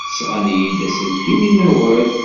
Sɣan-iyi-d aselkim i Newwal.